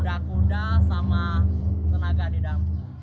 kuda kuda sama tenaga di dalam